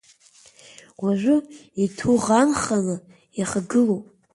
Уажәы иҭуӷанханы ихагылоуп.